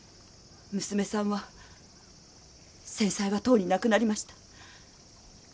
娘さんは先妻はとうに亡くなりました。